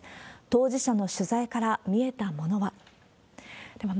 当事者の取材から見えたものは。